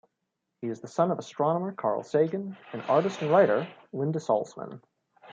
He is the son of astronomer Carl Sagan and artist and writer Linda Salzman.